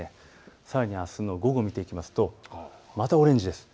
さらにあすの午後を見ていきますとまたオレンジです。